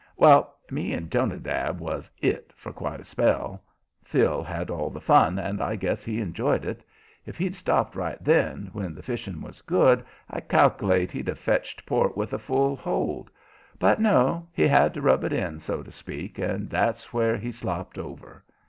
Well, me and Jonadab was "it" for quite a spell. Phil had all the fun, and I guess he enjoyed it. If he'd stopped right then, when the fishing was good, I cal'late he'd have fetched port with a full hold; but no, he had to rub it in, so to speak, and that's where he slopped over.